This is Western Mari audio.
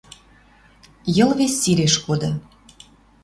Йыл вес сиреш коды.